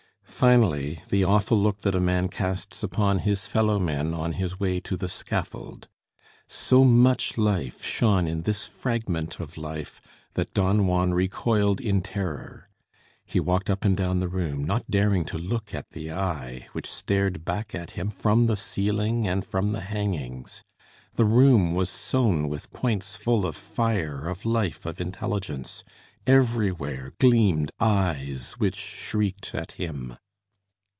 Finally, the awful look that a man casts upon his fellow men on his way to the scaffold. So much life shone in this fragment of life that Don Juan recoiled in terror. He walked up and down the room, not daring to look at the eye, which stared back at him from the ceiling and from the hangings. The room was sown with points full of fire, of life, of intelligence. Everywhere gleamed eyes which shrieked at him.